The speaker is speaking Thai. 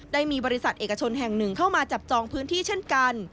ได้มีบริษัทเอกชนแห่งหนึ่งเข้ามาจับจองพื้นที่เช่นกัน